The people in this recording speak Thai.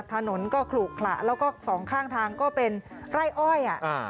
ถนนก็ขลูกขละแล้วก็สองข้างทางก็เป็นไล่อ้อย